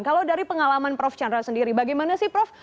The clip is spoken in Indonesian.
kalau dari pengalaman prof chandra sendiri bagaimana sih prof